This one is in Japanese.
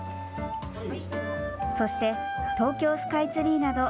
そして東京スカイツリーなど